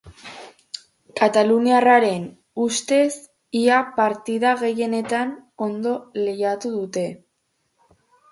Kataluniarraren ustez, ia partida gehienetan ondo lehiatu dute.